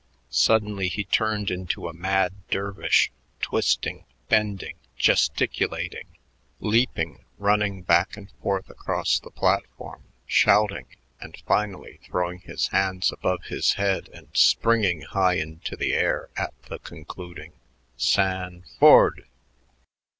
Suddenly he turned into a mad dervish, twisting, bending, gesticulating, leaping, running back and forth across the platform, shouting, and finally throwing his hands above his head and springing high into the air at the concluding "San FORD!"